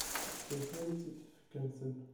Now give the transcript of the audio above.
Tessenfali-tt-id tfekka-nsen.